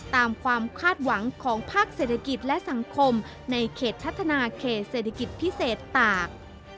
ตามความคาดหวังของภาคเศรษฐกิจและสังคมในเขตพัฒนาเขตเศรษฐกิจพิเศษตาก